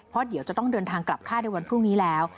เพราะเดี๋ยวจะต้องเดินทางกลับค่ายในวันพรุ่งนี้แล้ว